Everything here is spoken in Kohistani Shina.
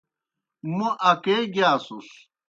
موْ اکے گِیاسُس۔